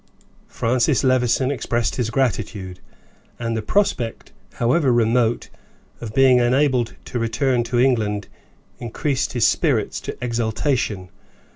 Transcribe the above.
Francis Levison expressed his gratitude, and the prospect, however remote, of being enabled to return to England increased his spirits to exultation.